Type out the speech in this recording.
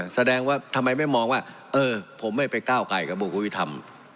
แสดงว่าทำไมไม่มองว่าเออผมไม่ไปก้าวไกลกับบุควิธรรม